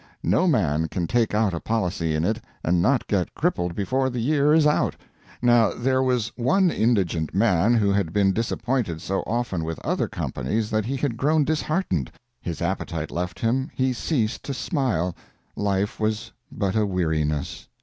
No man can take out a policy in it and not get crippled before the year is out. Now there was one indigent man who had been disappointed so often with other companies that he had grown disheartened, his appetite left him, he ceased to smile life was but a weariness.